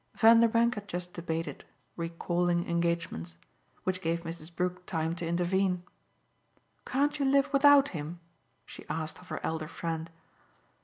Vanderbank had just debated, recalling engagements; which gave Mrs. Brook time to intervene. "Can't you live without him?" she asked of her elder friend.